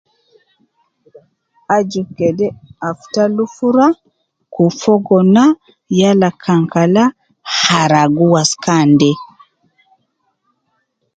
Aju kede afta lufura, kufogo na yala kan kala haragu waskan de